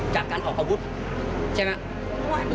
จากการออกอาวุธใช่มั้ย